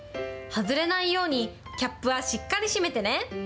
外れないように、キャップはしっかり締めてね。